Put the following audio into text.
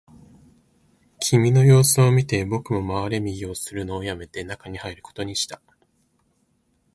君の様子を見て、僕も回れ右をするのをやめて、中に入ることにした